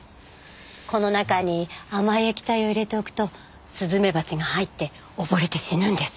この中に甘い液体を入れておくとスズメバチが入って溺れて死ぬんです。